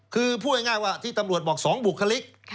คือพูดง่ายว่าที่ตำรวจบอก๒บุคลิก